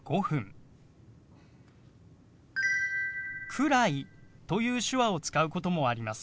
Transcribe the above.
「くらい」という手話を使うこともあります。